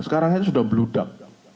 sekarang itu sudah blodak